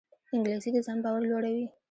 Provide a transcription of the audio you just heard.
انګلیسي د ځان باور لوړوي